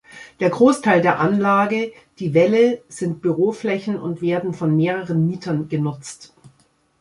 Der Großteil der Anlage "Die Welle" sind Büroflächen und werden von mehreren Mietern genutzt.